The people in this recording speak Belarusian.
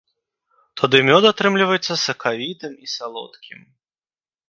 Тады мёд атрымліваецца сакавітым і салодкім.